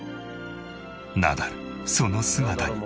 ナダルその姿に。